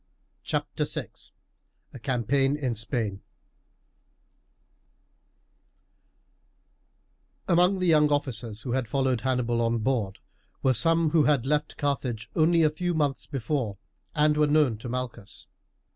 CHAPTER VI: A CAMPAIGN IN SPAIN Among the young officers who had followed Hannibal on board were some who had left Carthage only a few months before and were known to Malchus.